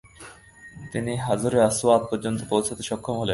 তিনি হাজরে আসওয়াদ পর্যন্ত পৌছুতে সক্ষম হলেন।